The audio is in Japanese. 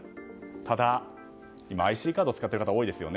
ただ、今ＩＣカードを使っている方が多いですよね。